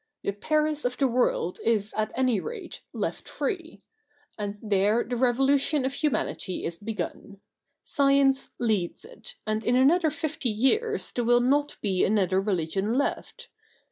The Paris of the world is, at any rate, left free — and there the Revolution of Humanity is begun. Science leads it, and in another fifty years there will not be another religion left.